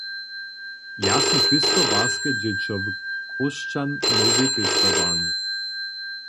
Ja sym pěstowarske dźěćo w Chróšćan nowej pěstowarni.